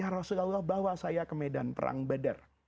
rasulullah bawa saya ke medan perang badar